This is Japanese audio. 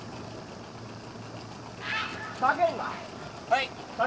はい？